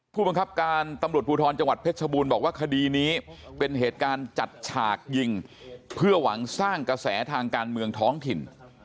ผู้บังคับการตำรวจภูทรจังหวัดเพชรชบูรณ์บอกว่าคดีนี้เป็นเหตุการณ์จัดฉากยิงเพื่อหวังสร้างกระแสทางการเมืองท้องถิ่น